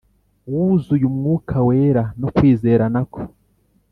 wuzuyeumwuka wera no kwizera na ko.